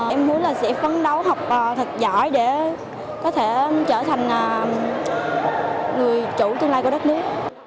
em muốn là sẽ phấn đấu học thật giỏi để có thể trở thành người chủ tương lai của đất nước